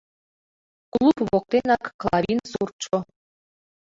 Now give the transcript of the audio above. Клуб воктенак Клавин суртшо.